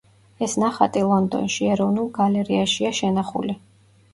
ეს ნახატი ლონდონში, ეროვნულ გალერეაშია შენახული.